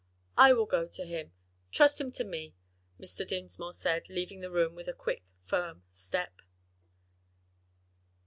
"I will go to him; trust him to me," Mr. Dinsmore said, leaving the room with a quick firm step.